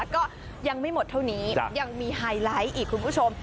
ก็ยังไม่หมดเท่านี้ยังมีไฮไลท์อีกคุณผู้ชม